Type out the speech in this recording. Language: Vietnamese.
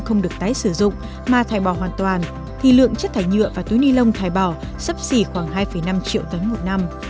không được tái sử dụng mà thải bỏ hoàn toàn thì lượng chất thải nhựa và túi ni lông thải bỏ sắp xỉ khoảng hai năm triệu tấn một năm